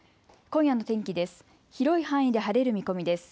今夜の天気です。